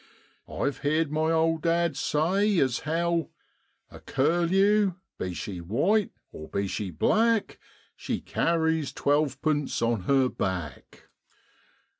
I've heerd my old dad say as how ' A curlew, be she white, or be she black, She carries twelvepence on her back.'